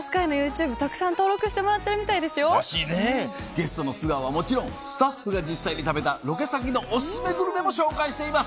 ゲストの素顔はもちろんスタッフが実際に食べたロケ先のお薦めグルメも紹介しています。